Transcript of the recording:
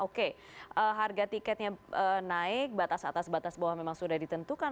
oke harga tiketnya naik batas atas batas bawah memang sudah ditentukan